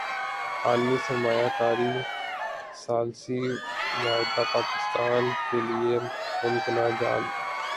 عالمی سرمایہ کاری ثالثی معاہدہ پاکستان کیلئے ممکنہ جال